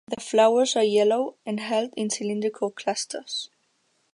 The flowers are yellow, and held in cylindrical clusters.